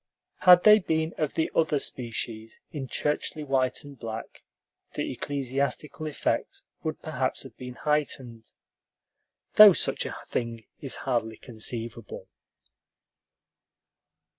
Had they been of the other species, in churchly white and black, the ecclesiastical effect would perhaps have been heightened, though such a thing is hardly conceivable.